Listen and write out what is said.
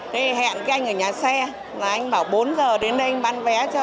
thế hẹn cái anh ở nhà xe là anh bảo bốn giờ đến đây anh bán vé cho